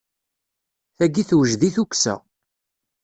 Tayi tewjed i tukksa.